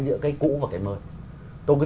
giữa cái cũ và cái mới tôi cứ